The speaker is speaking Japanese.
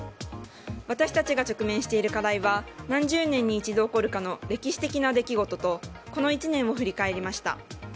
私たちが直面している課題は何十年に一度起こるかの歴史的な出来事とこの１年を振り返りました。